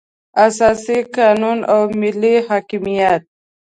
اساسي قانون او ملي حاکمیت.